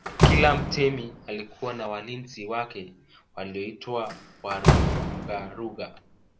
Kila mtemi alikuwa na walinzi wake walioitwa Warugaruga